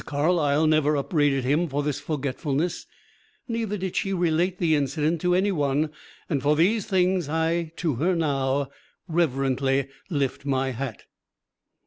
Carlyle never upbraided him for this forgetfulness, neither did she relate the incident to any one, and for these things I to her now reverently lift my hat.